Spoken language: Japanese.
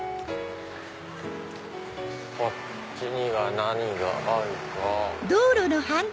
こっちには何があるか。